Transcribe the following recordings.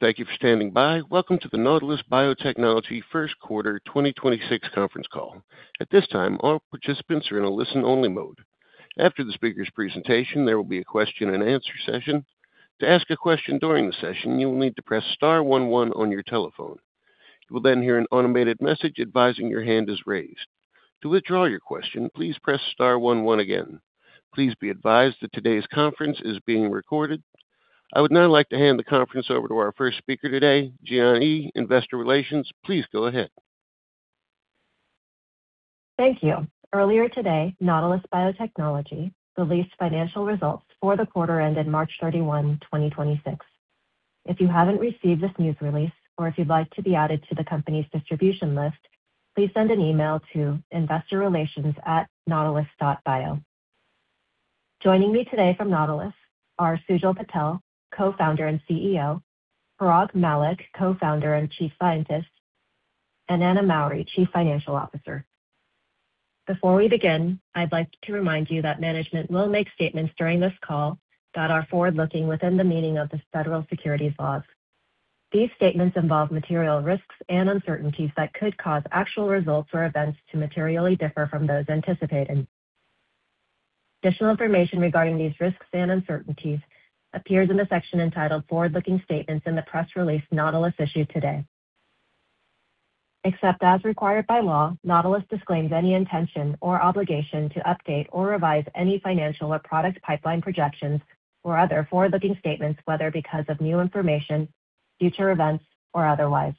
Thank you for standing by. Welcome to the Nautilus Biotechnology First Quarter 2026 conference call. At this time, all participants are in a listen-only mode. After the speaker's presentation, there will be a question and answer session. To ask a question during the session, you will need to press star one one on your telephone. You will then hear an automated message advising your hand is raised. To withdraw your question, please press star one one again. Please be advised that today's conference is being recorded. I would now like to hand the conference over to our first speaker today, Jian Yi, Investor Relations. Please go ahead. Thank you. Earlier today, Nautilus Biotechnology released financial results for the quarter ended March 31, 2026. If you haven't received this news release or if you'd like to be added to the company's distribution list, please send an email to investorrelations@nautilus.bio. Joining me today from Nautilus are Sujal Patel, Co-founder and CEO, Parag Mallick, Co-founder and Chief Scientist, and Anna Mowry, Chief Financial Officer. Before we begin, I'd like to remind you that management will make statements during this call that are forward-looking within the meaning of the federal securities laws. These statements involve material risks and uncertainties that could cause actual results or events to materially differ from those anticipated. Additional information regarding these risks and uncertainties appears in the section entitled Forward-Looking Statements in the press release Nautilus issued today. Except as required by law, Nautilus disclaims any intention or obligation to update or revise any financial or product pipeline projections or other forward-looking statements, whether because of new information, future events, or otherwise.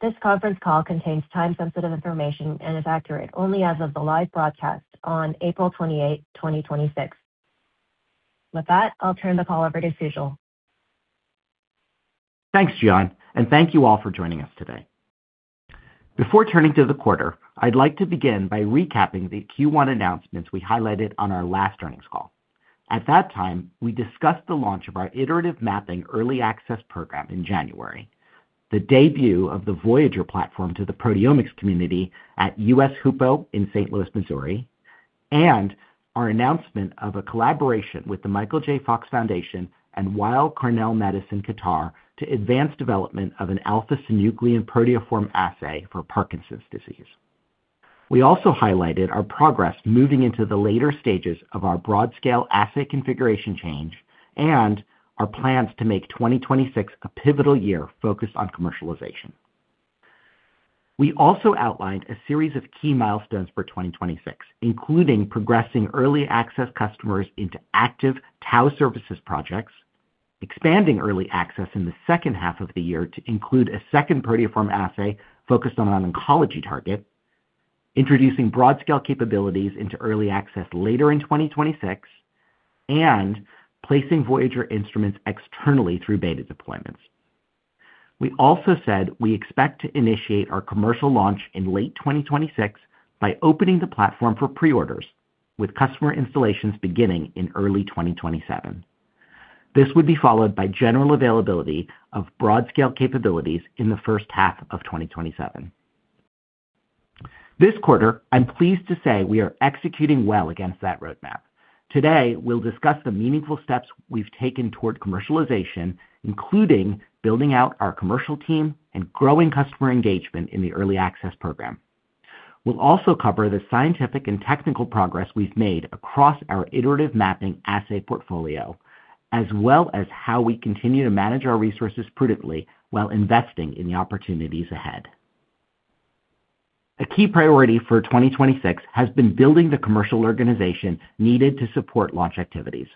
This conference call contains time-sensitive information and is accurate only as of the live broadcast on April 28, 2026. With that, I'll turn the call over to Sujal. Thanks, Jian, thank you all for joining us today. Before turning to the quarter, I'd like to begin by recapping the Q1 announcements we highlighted on our last earnings call. At that time, we discussed the launch of our Iterative Mapping Early Access Program in January, the debut of the Voyager Platform to the proteomics community at US HUPO in St. Louis, Missouri, and our announcement of a collaboration with the Michael J. Fox Foundation and Weill Cornell Medicine-Qatar to advance development of an alpha-synuclein proteoform assay for Parkinson's disease. We also highlighted our progress moving into the later stages of our broad-scale assay configuration change and our plans to make 2026 a pivotal year focused on commercialization. We also outlined a series of key milestones for 2026, including progressing early access customers into active Tau services projects, expanding early access in the second half of the year to include a second proteoform assay focused on an oncology target, introducing broad scale capabilities into early access later in 2026, and placing Voyager instruments externally through beta deployments. We also said we expect to initiate our commercial launch in late 2026 by opening the platform for pre-orders with customer installations beginning in early 2027. This would be followed by general availability of broad scale capabilities in the first half of 2027. This quarter, I'm pleased to say we are executing well against that roadmap. Today, we'll discuss the meaningful steps we've taken toward commercialization, including building out our commercial team and growing customer engagement in the early access program. We'll also cover the scientific and technical progress we've made across our Iterative Mapping assay portfolio, as well as how we continue to manage our resources prudently while investing in the opportunities ahead. A key priority for 2026 has been building the commercial organization needed to support launch activities.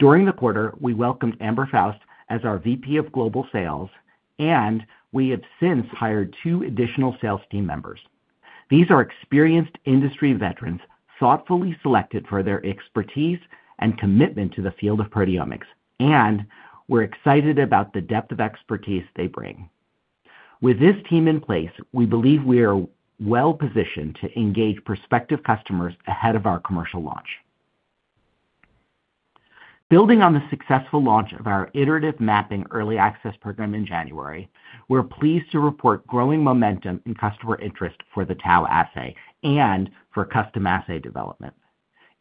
During the quarter, we welcomed Amber Faust as our VP of Global Sales, and we have since hired two additional sales team members. These are experienced industry veterans thoughtfully selected for their expertise and commitment to the field of proteomics, and we're excited about the depth of expertise they bring. With this team in place, we believe we are well-positioned to engage prospective customers ahead of our commercial launch. Building on the successful launch of our Iterative Mapping Early Access Program in January, we're pleased to report growing momentum and customer interest for the Tau assay and for custom assay development.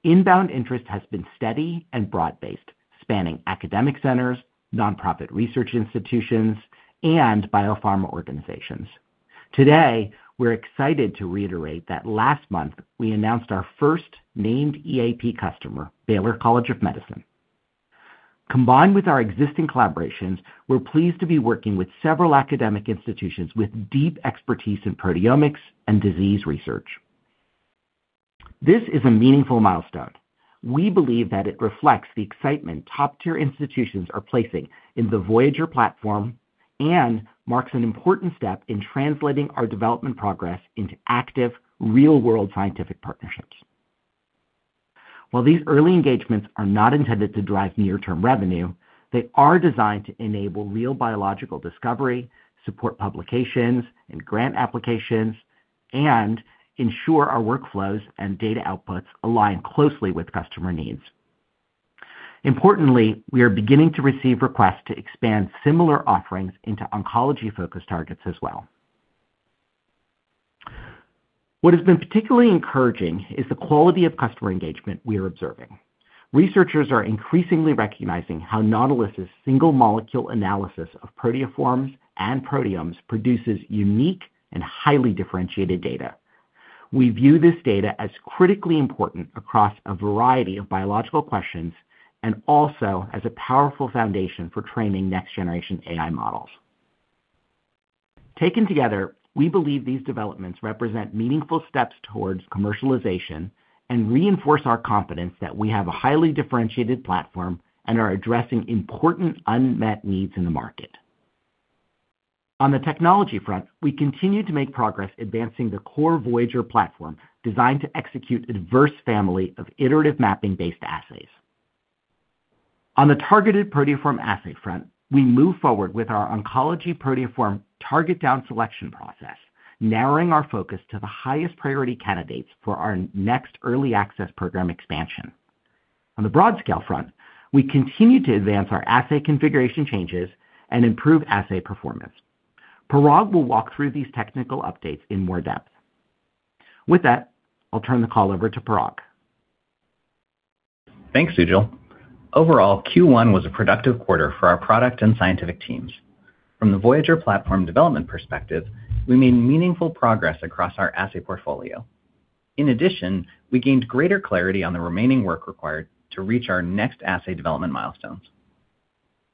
Inbound interest has been steady and broad-based, spanning academic centers, nonprofit research institutions, and biopharma organizations. Today, we're excited to reiterate that last month, we announced our first named EAP customer, Baylor College of Medicine. Combined with our existing collaborations, we're pleased to be working with several academic institutions with deep expertise in proteomics and disease research. This is a meaningful milestone. We believe that it reflects the excitement top-tier institutions are placing in the Voyager Platform and marks an important step in translating our development progress into active, real-world scientific partnerships. While these early engagements are not intended to drive near-term revenue, they are designed to enable real biological discovery, support publications and grant applications, and ensure our workflows and data outputs align closely with customer needs. Importantly, we are beginning to receive requests to expand similar offerings into oncology-focused targets as well. What has been particularly encouraging is the quality of customer engagement we are observing. Researchers are increasingly recognizing how Nautilus' single molecule analysis of proteoforms and proteomes produces unique and highly differentiated data. We view this data as critically important across a variety of biological questions and also as a powerful foundation for training next generation AI models. Taken together, we believe these developments represent meaningful steps towards commercialization and reinforce our confidence that we have a highly differentiated platform and are addressing important unmet needs in the market. On the technology front, we continue to make progress advancing the core Voyager Platform designed to execute a diverse family of Iterative Mapping based assays. On the targeted proteoform assay front, we move forward with our oncology proteoform target down selection process, narrowing our focus to the highest priority candidates for our next Early Access Program expansion. On the broad scale front, we continue to advance our assay configuration changes and improve assay performance. Parag will walk through these technical updates in more depth. With that, I'll turn the call over to Parag. Thanks, Sujal. Overall, Q1 was a productive quarter for our product and scientific teams. From the Voyager Platform development perspective, we made meaningful progress across our assay portfolio. In addition, we gained greater clarity on the remaining work required to reach our next assay development milestones.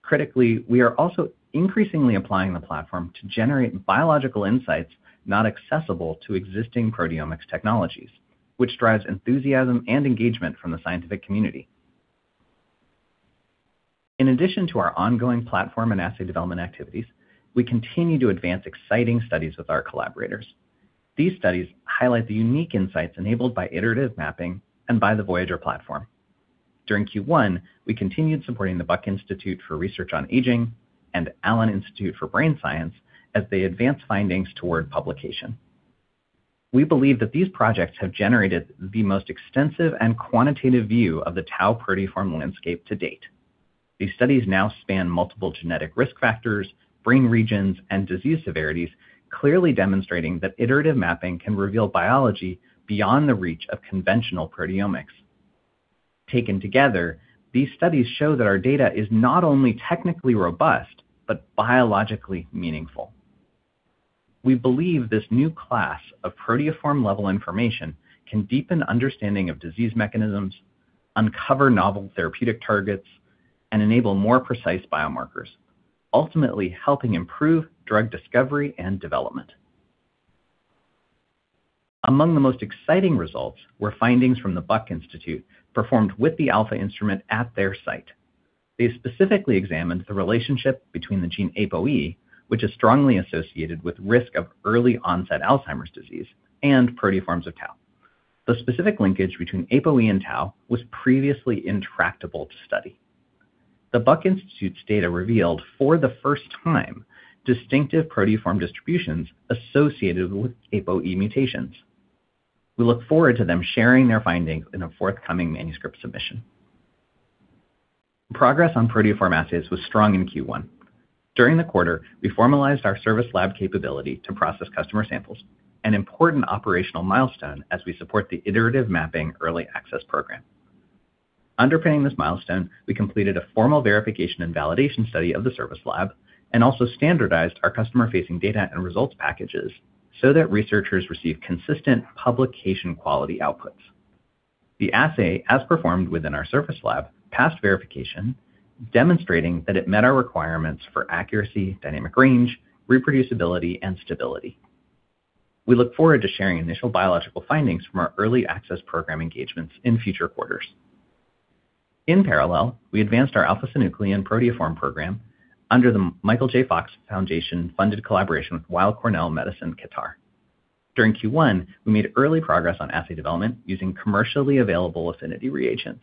Critically, we are also increasingly applying the platform to generate biological insights not accessible to existing proteomics technologies, which drives enthusiasm and engagement from the scientific community. In addition to our ongoing platform and assay development activities, we continue to advance exciting studies with our collaborators. These studies highlight the unique insights enabled by Iterative Mapping and by the Voyager Platform. During Q1, we continued supporting the Buck Institute for Research on Aging and Allen Institute for Brain Science as they advance findings toward publication. We believe that these projects have generated the most extensive and quantitative view of the Tau proteoform landscape to date. These studies now span multiple genetic risk factors, brain regions, and disease severities, clearly demonstrating that Iterative Mapping can reveal biology beyond the reach of conventional proteomics. Taken together, these studies show that our data is not only technically robust, but biologically meaningful. We believe this new class of proteoform-level information can deepen understanding of disease mechanisms, uncover novel therapeutic targets, and enable more precise biomarkers, ultimately helping improve drug discovery and development. Among the most exciting results were findings from the Buck Institute performed with the Alpha instrument at their site. They specifically examined the relationship between the gene APOE, which is strongly associated with risk of early onset Alzheimer's disease and proteoforms of Tau. The specific linkage between APOE and Tau was previously intractable to study. The Buck Institute's data revealed for the first time distinctive proteoform distributions associated with APOE mutations. We look forward to them sharing their findings in a forthcoming manuscript submission. Progress on proteoform assays was strong in Q1. During the quarter, we formalized our service lab capability to process customer samples, an important operational milestone as we support the Iterative Mapping early access program. Underpinning this milestone, we completed a formal verification and validation study of the service lab and also standardized our customer-facing data and results packages so that researchers receive consistent publication quality outputs. The assay, as performed within our service lab, passed verification, demonstrating that it met our requirements for accuracy, dynamic range, reproducibility, and stability. We look forward to sharing initial biological findings from our early access program engagements in future quarters. In parallel, we advanced our alpha-synuclein proteoform program under the Michael J. Fox Foundation funded collaboration with Weill Cornell Medicine-Qatar. During Q1, we made early progress on assay development using commercially available affinity reagents.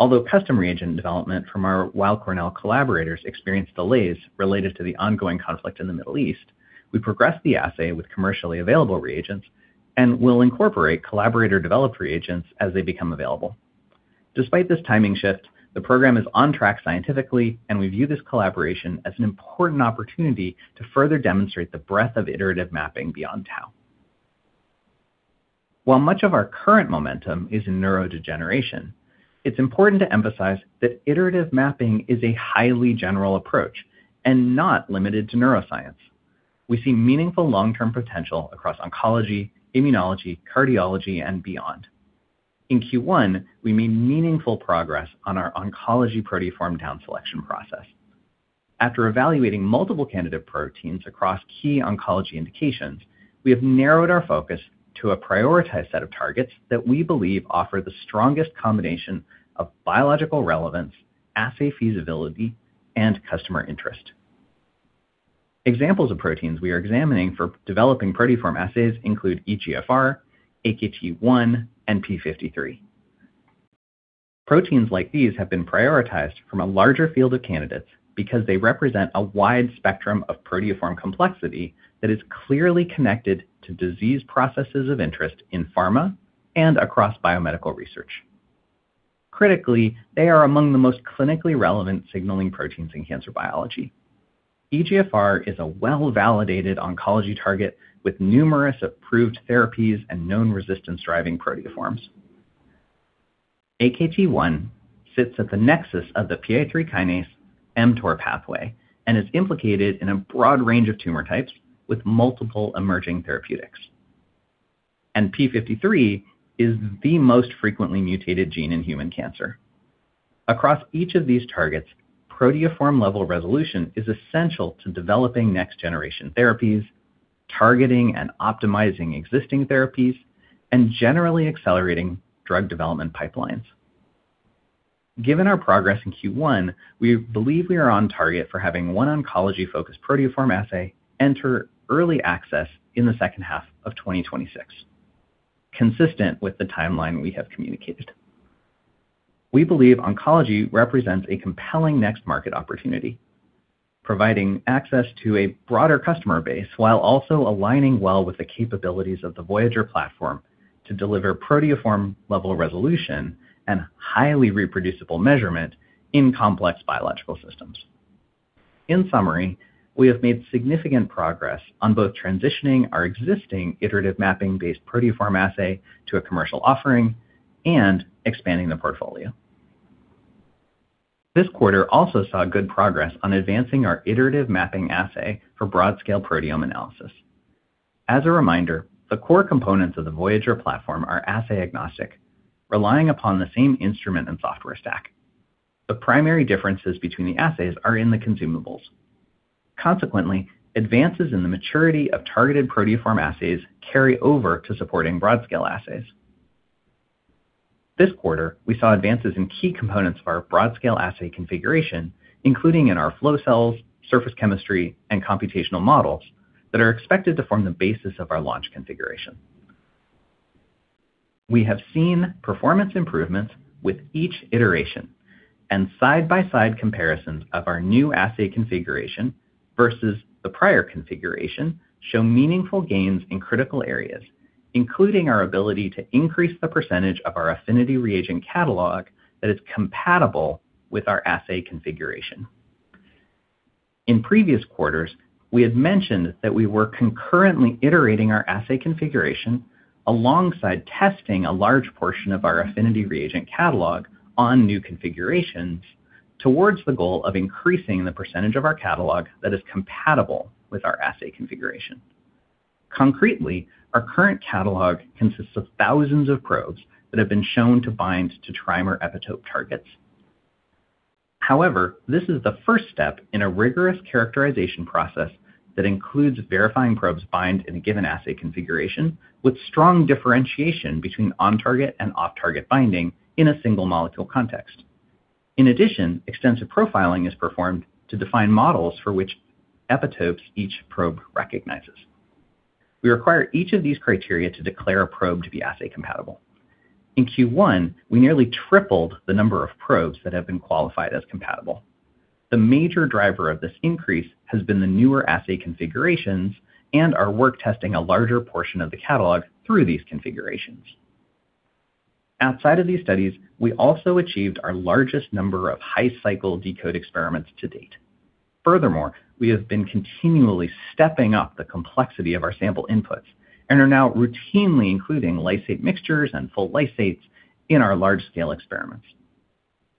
Although custom reagent development from our Weill Cornell collaborators experienced delays related to the ongoing conflict in the Middle East, we progressed the assay with commercially available reagents and will incorporate collaborator-developed reagents as they become available. Despite this timing shift, the program is on track scientifically, and we view this collaboration as an important opportunity to further demonstrate the breadth of Iterative Mapping beyond Tau. While much of our current momentum is in neurodegeneration, it's important to emphasize that Iterative Mapping is a highly general approach and not limited to neuroscience. We see meaningful long-term potential across oncology, immunology, cardiology, and beyond. In Q1, we made meaningful progress on our oncology proteoform down selection process. After evaluating multiple candidate proteins across key oncology indications, we have narrowed our focus to a prioritized set of targets that we believe offer the strongest combination of biological relevance, assay feasibility, and customer interest. Examples of proteins we are examining for developing proteoform assays include EGFR, AKT1, and P53. Proteins like these have been prioritized from a larger field of candidates because they represent a wide spectrum of proteoform complexity that is clearly connected to disease processes of interest in pharma and across biomedical research. Critically, they are among the most clinically relevant signaling proteins in cancer biology. EGFR is a well-validated oncology target with numerous approved therapies and known resistance-driving proteoforms. AKT1 sits at the nexus of the PI3 kinase mTOR pathway and is implicated in a broad range of tumor types with multiple emerging therapeutics. P53 is the most frequently mutated gene in human cancer. Across each of these targets, proteoform-level resolution is essential to developing next-generation therapies, targeting and optimizing existing therapies, and generally accelerating drug development pipelines. Given our progress in Q1, we believe we are on target for having one oncology-focused proteoform assay enter early access in the second half of 2026, consistent with the timeline we have communicated. We believe oncology represents a compelling next market opportunity, providing access to a broader customer base while also aligning well with the capabilities of the Voyager Platform to deliver proteoform-level resolution and highly reproducible measurement in complex biological systems. In summary, we have made significant progress on both transitioning our existing Iterative Mapping-based proteoform assay to a commercial offering and expanding the portfolio. This quarter also saw good progress on advancing our Iterative Mapping assay for broad-scale proteome analysis. As a reminder, the core components of the Voyager Platform are assay agnostic, relying upon the same instrument and software stack. The primary differences between the assays are in the consumables. Consequently, advances in the maturity of targeted proteoform assays carry over to supporting broad-scale assays. This quarter, we saw advances in key components of our broad-scale assay configuration, including in our flow cells, surface chemistry, and computational models that are expected to form the basis of our launch configuration. We have seen performance improvements with each iteration and side-by-side comparisons of our new assay configuration versus the prior configuration show meaningful gains in critical areas, including our ability to increase the percentage of our affinity reagent catalog that is compatible with our assay configuration. In previous quarters, we had mentioned that we were concurrently iterating our assay configuration alongside testing a large portion of our affinity reagent catalog on new configurations towards the goal of increasing the percentage of our catalog that is compatible with our assay configuration. Concretely, our current catalog consists of thousands of probes that have been shown to bind to trimer epitope targets. However, this is the first step in a rigorous characterization process that includes verifying probes bind in a given assay configuration with strong differentiation between on-target and off-target binding in a single molecule context. In addition, extensive profiling is performed to define models for which epitopes each probe recognizes. We require each of these criteria to declare a probe to be assay compatible. In Q1, we nearly tripled the number of probes that have been qualified as compatible. The major driver of this increase has been the newer assay configurations and our work testing a larger portion of the catalog through these configurations. Outside of these studies, we also achieved our largest number of high cycle decode experiments to date. Furthermore, we have been continually stepping up the complexity of our sample inputs and are now routinely including lysate mixtures and full lysates in our large-scale experiments.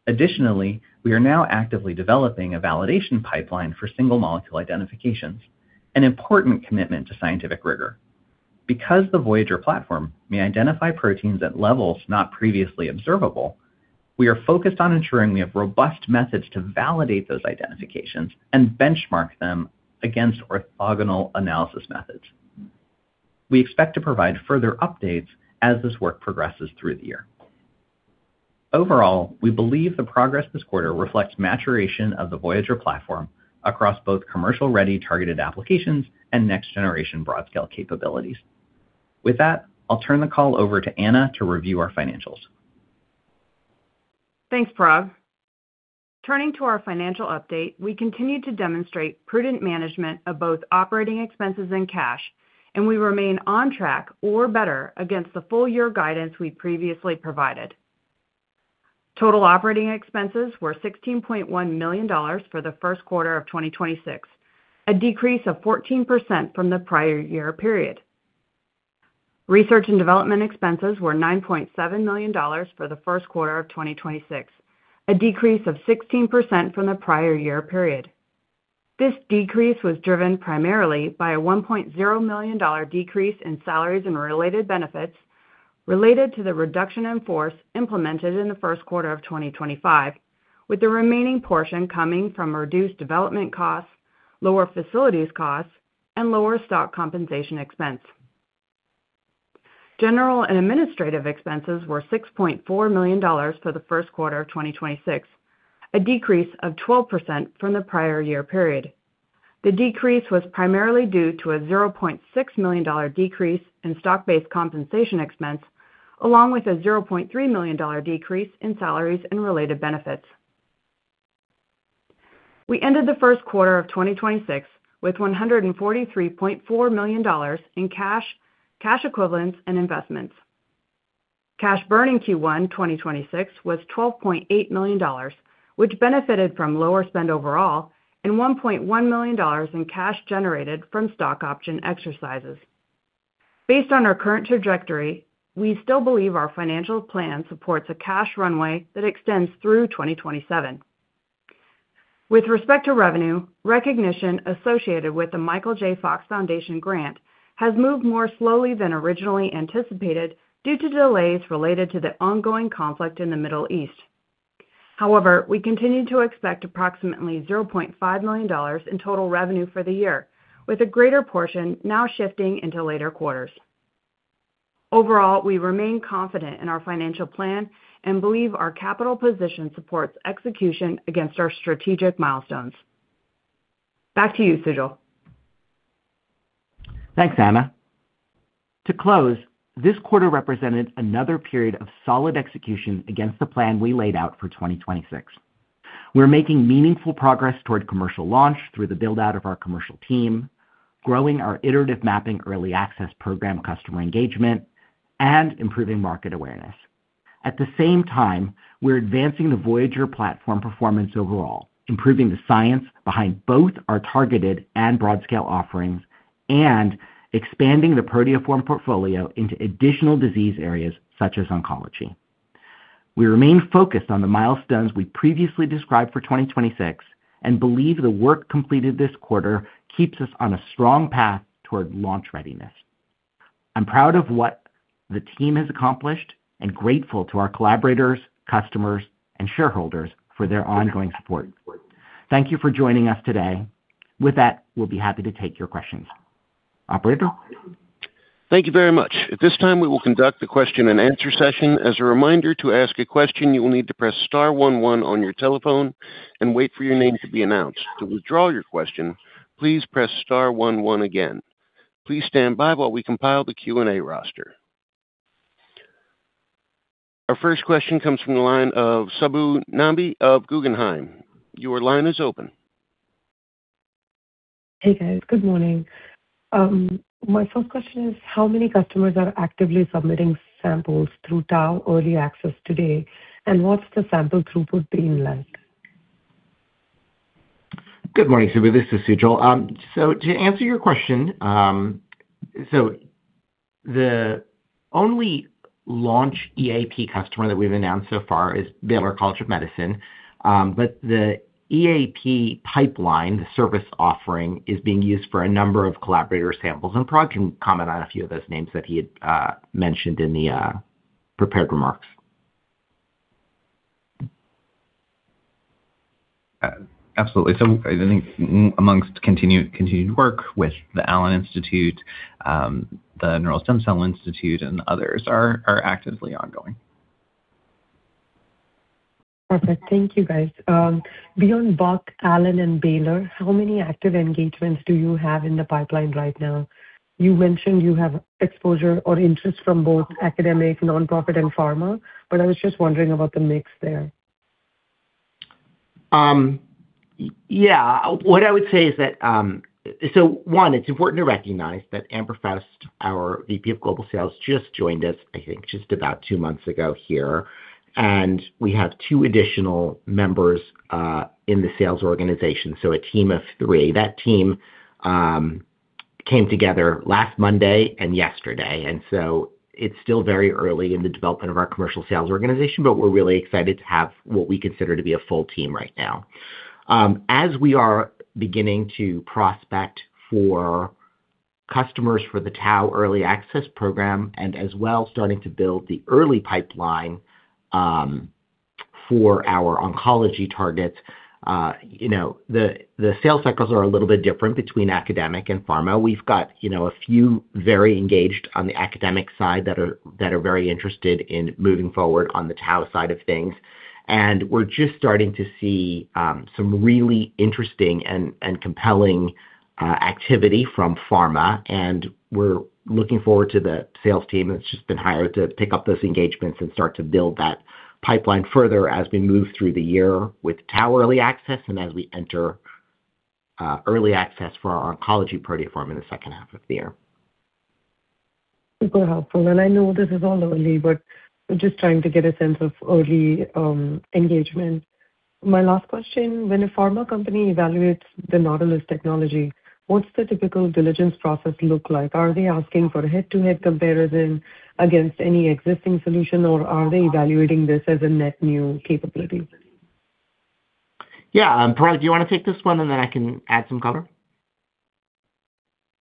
Additionally, we are now actively developing a validation pipeline for single molecule identifications, an important commitment to scientific rigor. Because the Voyager Platform may identify proteins at levels not previously observable, we are focused on ensuring we have robust methods to validate those identifications and benchmark them against orthogonal analysis methods. We expect to provide further updates as this work progresses through the year. Overall, we believe the progress this quarter reflects maturation of the Voyager Platform across both commercial-ready targeted applications and next generation broad scale capabilities. With that, I'll turn the call over to Anna to review our financials. Thanks, Parag. Turning to our financial update, we continue to demonstrate prudent management of both operating expenses and cash, and we remain on track or better against the full year guidance we previously provided. Total operating expenses were $16.1 million for the first quarter of 2026, a decrease of 14% from the prior-year period. Research and development expenses were $9.7 million for the first quarter of 2026, a decrease of 16% from the prior-year period. This decrease was driven primarily by a $1.0 million decrease in salaries and related benefits related to the reduction in force implemented in the first quarter of 2025, with the remaining portion coming from reduced development costs, lower facilities costs, and lower stock compensation expense. General and administrative expenses were $6.4 million for the first quarter of 2026, a decrease of 12% from the prior year period. The decrease was primarily due to a $0.6 million decrease in stock-based compensation expense, along with a $0.3 million decrease in salaries and related benefits. We ended the first quarter of 2026 with $143.4 million in cash equivalents and investments. Cash burn in Q1 2026 was $12.8 million, which benefited from lower spend overall and $1.1 million in cash generated from stock option exercises. Based on our current trajectory, we still believe our financial plan supports a cash runway that extends through 2027. With respect to revenue, recognition associated with the Michael J. Fox Foundation grant has moved more slowly than originally anticipated due to delays related to the ongoing conflict in the Middle East.We continue to expect approximately $0.5 million in total revenue for the year, with a greater portion now shifting into later quarters. We remain confident in our financial plan and believe our capital position supports execution against our strategic milestones. Back to you, Sujal. Thanks, Anna. To close, this quarter represented another period of solid execution against the plan we laid out for 2026. We're making meaningful progress toward commercial launch through the build-out of our commercial team, growing our Iterative Mapping Early Access Program customer engagement, and improving market awareness. At the same time, we're advancing the Voyager Platform performance overall, improving the science behind both our targeted and broad scale offerings, and expanding the proteoform portfolio into additional disease areas such as oncology. We remain focused on the milestones we previously described for 2026 and believe the work completed this quarter keeps us on a strong path toward launch readiness. I'm proud of what the team has accomplished and grateful to our collaborators, customers and shareholders for their ongoing support. Thank you for joining us today. With that, we'll be happy to take your questions. Operator. Thank you very much. At this time, we will conduct the question and answer session. As a reminder, to ask a question, you will need to press star one one on your telephone and wait for your name to be announced. To withdraw your question, please press star one one again. Please stand by while we compile the Q&A roster. Our first question comes from the line of Subbu Nambi of Guggenheim. Your line is open. Hey, guys. Good morning. My first question is, how many customers are actively submitting samples through Tau early access today? What's the sample throughput been like? Good morning, Subbu. This is Sujal. To answer your question, the only launch EAP customer that we've announced so far is Baylor College of Medicine. The EAP pipeline, the service offering, is being used for a number of collaborator samples, and Parag can comment on a few of those names that he had mentioned in the prepared remarks. Absolutely. I think amongst continued work with the Allen Institute, the Neural Stem Cell Institute and others are actively ongoing. Perfect. Thank you, guys. Beyond Buck, Allen and Baylor, how many active engagements do you have in the pipeline right now? You mentioned you have exposure or interest from both academic, nonprofit, and pharma, I was just wondering about the mix there. What I would say is that, it's important to recognize that Amber Faust, our VP of Global Sales, just joined us, I think just about two months ago here, and we have two additional members in the sales organization. A team of three. That team came together last Monday and yesterday, it's still very early in the development of our commercial sales organization, we're really excited to have what we consider to be a full team right now. As we are beginning to prospect for customers for the Tau Early Access Program and as well starting to build the early pipeline, for our oncology targets, you know, the sales cycles are a little bit different between academic and pharma. We've got, you know, a few very engaged on the academic side that are very interested in moving forward on the Tau side of things. We're just starting to see some really interesting and compelling activity from pharma. We're looking forward to the sales team that's just been hired to pick up those engagements and start to build that pipeline further as we move through the year with Tau early access and as we enter early access for our oncology proteoform in the second half of the year. Super helpful. I know this is all early, but we're just trying to get a sense of early engagement. My last question, when a pharma company evaluates the Nautilus technology, what's the typical diligence process look like? Are they asking for a head-to-head comparison against any existing solution, or are they evaluating this as a net new capability? Yeah. Parag, do you want to take this one and then I can add some color?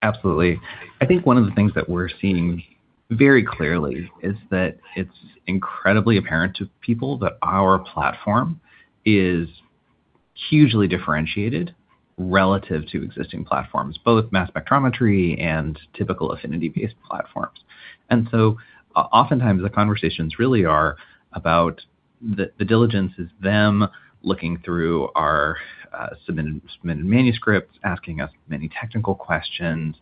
Absolutely. I think one of the things that we're seeing very clearly is that it's incredibly apparent to people that our platform is hugely differentiated relative to existing platforms, both mass spectrometry and typical affinity-based platforms. Oftentimes the conversations really are about the diligence is them looking through our submitted manuscripts, asking us many technical questions,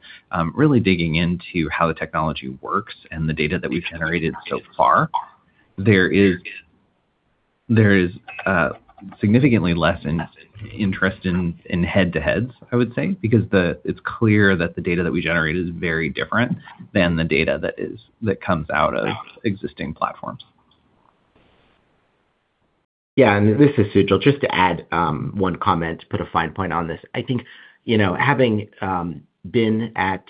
really digging into how the technology works and the data that we've generated so far. There is significantly less interest in head-to-heads, I would say, because it's clear that the data that we generate is very different than the data that comes out of existing platforms. Yeah. This is Sujal. Just to add, one comment, put a fine point on this. I think, you know, having been at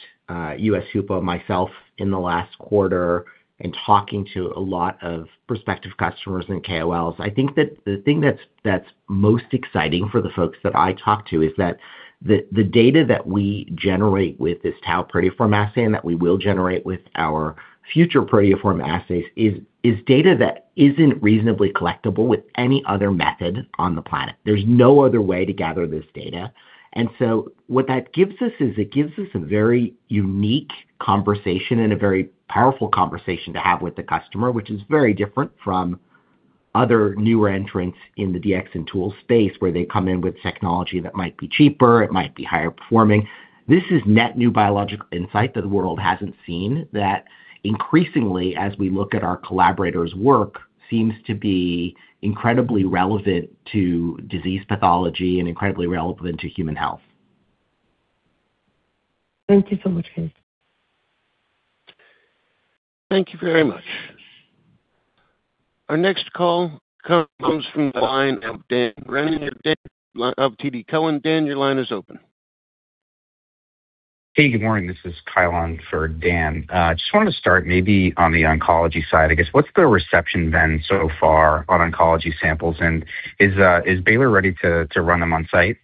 US HUPO myself in the last quarter and talking to a lot of prospective customers and KOLs, I think that the thing that's most exciting for the folks that I talk to is that the data that we generate with this Tau proteoform assay and that we will generate with our future proteoform assays is data that isn't reasonably collectible with any other method on the planet. There's no other way to gather this data. What that gives us is it gives us a very unique conversation and a very powerful conversation to have with the customer, which is very different from other newer entrants in the Dx and tool space, where they come in with technology that might be cheaper, it might be higher performing. This is net new biological insight that the world hasn't seen, that increasingly, as we look at our collaborators' work, seems to be incredibly relevant to disease pathology and incredibly relevant to human health. Thank you so much, guys. Thank you very much. Our next call comes from the line of Dan Brennan of TD Cowen. Dan, your line is open. Hey, good morning. This is Kyle on for Dan. Just want to start maybe on the oncology side, I guess. What's the reception been so far on oncology samples, and is Baylor ready to run them on-site?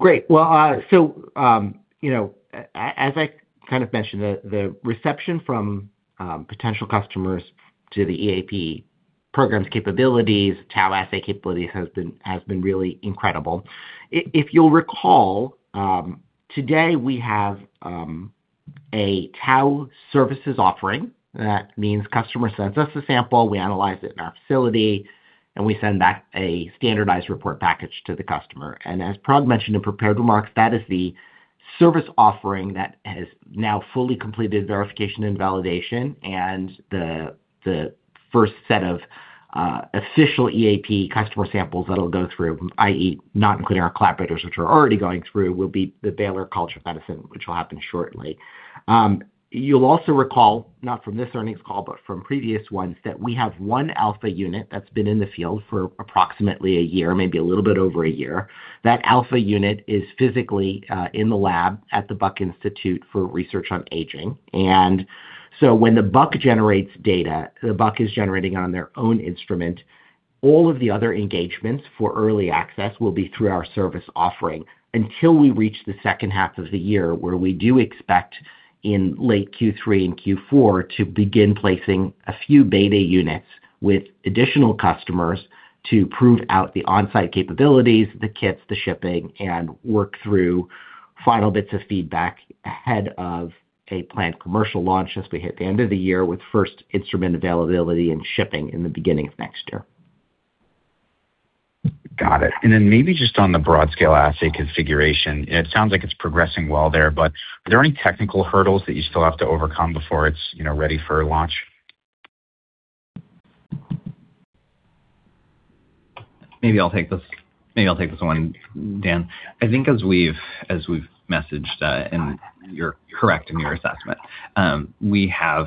Great. You know, as I kind of mentioned, the reception from potential customers to the EAP program's capabilities, Tau assay capabilities has been really incredible. If you'll recall, today we have a Tau services offering. That means customer sends us a sample, we analyze it in our facility, and we send back a standardized report package to the customer. As Parag mentioned in prepared remarks, that is the service offering that has now fully completed verification and validation, and the first set of official EAP customer samples that'll go through, i.e., not including our collaborators, which are already going through, will be the Baylor College of Medicine, which will happen shortly. You'll also recall, not from this earnings call, but from previous ones, that we have one Alpha unit that's been in the field for approximately a year, maybe a little bit over a year. That Alpha unit is physically in the lab at the Buck Institute for Research on Aging. When the Buck generates data, the Buck is generating on their own instrument, all of the other engagements for early access will be through our service offering until we reach the second half of the year, where we do expect in late Q3 and Q4 to begin placing a few beta units with additional customers to prove out the on-site capabilities, the kits, the shipping, and work through final bits of feedback ahead of a planned commercial launch as we hit the end of the year, with first instrument availability and shipping in the beginning of next year. Got it. Maybe just on the broad scale assay configuration, it sounds like it's progressing well there, but are there any technical hurdles that you still have to overcome before it's, you know, ready for launch? Maybe I'll take this, maybe I'll take this one, Dan. I think as we've messaged, and you're correct in your assessment, we have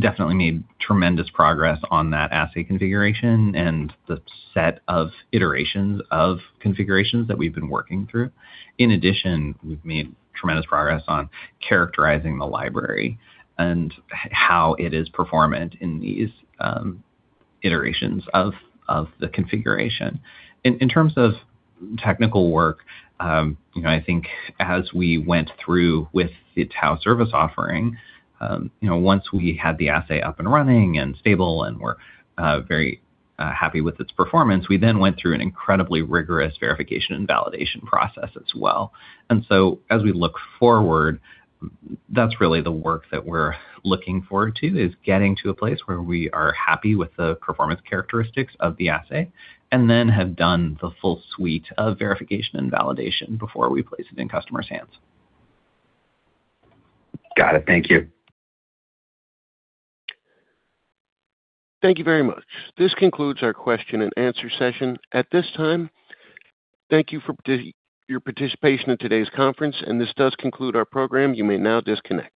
definitely made tremendous progress on that assay configuration and the set of iterations of configurations that we've been working through. In addition, we've made tremendous progress on characterizing the library and how it is performant in these iterations of the configuration. In terms of technical work, you know, I think as we went through with the Tau service offering, you know, once we had the assay up and running and stable and were very happy with its performance, we then went through an incredibly rigorous verification and validation process as well. As we look forward, that's really the work that we're looking forward to, is getting to a place where we are happy with the performance characteristics of the assay and then have done the full suite of verification and validation before we place it in customers' hands. Got it. Thank you. Thank you very much. This concludes our question and answer session. At this time, thank you for your participation in today's conference, and this does conclude our program. You may now disconnect.